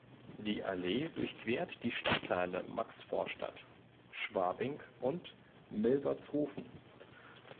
Die Allee durchquert die Stadtteile Maxvorstadt, Schwabing und Milbertshofen.